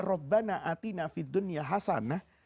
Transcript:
rokbana ati nafidunya hasanah